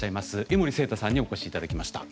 江守正多さんにお越しいただきました。